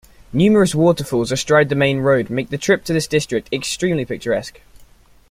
Numerous waterfalls astride the main road make the trip to this district extremely picturesque.